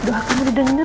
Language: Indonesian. doa kamu didengar